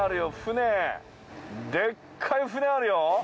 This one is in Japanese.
でっかい船あるよ。